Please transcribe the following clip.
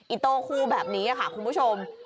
โต้คู่แบบนี้ค่ะคุณผู้ชม